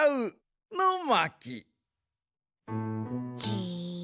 じ。